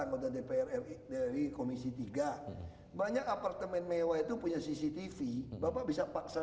anggota dpr ri dari komisi tiga banyak apartemen mewah itu punya cctv bapak bisa paksa